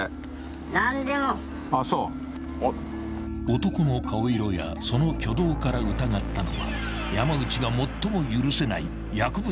［男の顔色やその挙動から疑ったのは山内が最も許せない］